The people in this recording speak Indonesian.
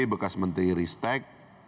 bekas menteri ristek